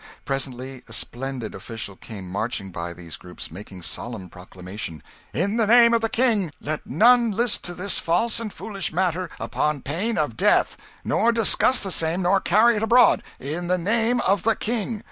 Presently a splendid official came marching by these groups, making solemn proclamation "IN THE NAME OF THE KING! Let none list to this false and foolish matter, upon pain of death, nor discuss the same, nor carry it abroad. In the name of the King!"